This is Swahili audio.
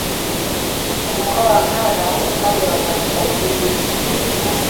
Mkoa wa Mara upande wa kaskazini